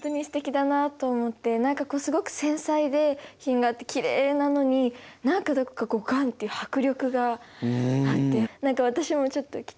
何かこうすごく繊細で品があってきれいなのに何かどこかガンっていう迫力があって何か私もちょっと着てみたいなって。